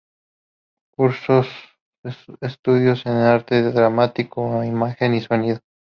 Cursó estudios de arte dramático e imagen y sonido.